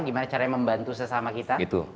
gimana caranya membantu sesama kita